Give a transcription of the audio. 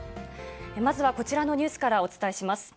まずはこちらのニュースからお伝えします。